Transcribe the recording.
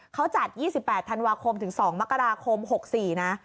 เขาจัดยี่สี่แปดธันวาคมถึงสองมักราคมหกสี่นะ